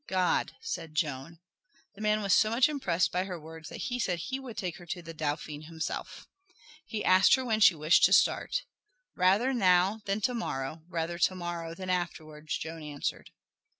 "God," said Joan. The man was so much impressed by her words that he said he would take her to the Dauphin himself. He asked her when she wished to start. "Rather now than to morrow, rather to morrow than afterwards," Joan answered.